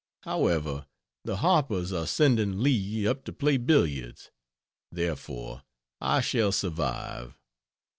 However, the Harpers are sending Leigh up to play billiards; therefore I shall survive.